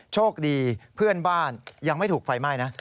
โชคดีเพื่อนบ้านยังไม่ถูกไฟไหม้นะ